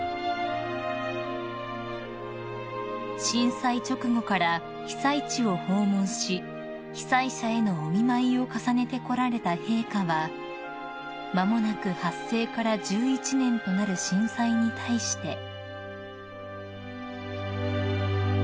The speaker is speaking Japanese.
［震災直後から被災地を訪問し被災者へのお見舞いを重ねてこられた陛下は間もなく発生から１１年となる震災に対して］